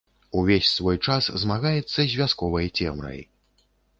Увесь свой час змагаецца з вясковай цемрай.